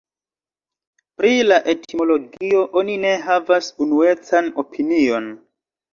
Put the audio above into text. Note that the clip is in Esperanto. Pri la etimologio oni ne havas unuecan opinion.